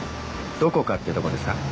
どこかってどこですか？